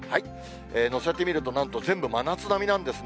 載せてみると、なんと全部、真夏並みなんですね。